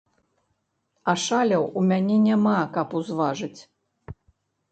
А шаляў у мяне няма, каб узважыць.